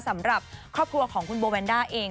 สำหรับครอบครัวของคุณโบแวนด้าเอง